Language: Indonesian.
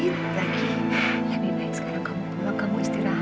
lebih baik sekarang kamu pulang kamu istirahat sayang